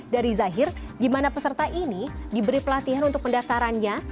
dari zahir di mana peserta ini diberi pelatihan untuk pendaftarannya